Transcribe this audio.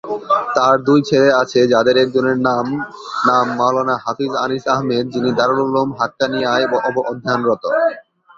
তার দুই ছেলে আছে যাদের একজনের নাম নাম মাওলানা হাফিজ আনিস আহমেদ, যিনি দারুল উলুম হাক্কানিয়ায় অধ্যয়নরত।